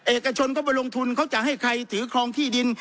เอกชนเขาไปลงทุนเขาจะให้ใครถือครองที่ดิน